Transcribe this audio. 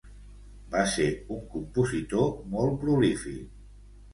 Va ser un compositor molt prolífic.